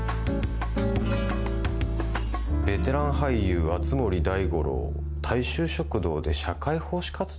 「ベテラン俳優熱護大五郎大衆食堂で社会奉仕活動？」